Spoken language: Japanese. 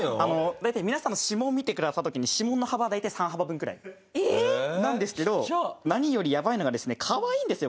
大体皆さんの指紋を見てくださった時に指紋の幅大体３幅分くらいなんですけど何よりやばいのがですね可愛いんですよ！